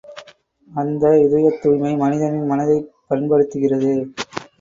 அந்த இதயத் தூய்மை, மனிதனின் மனதைப் பன்படுத்துகிறது.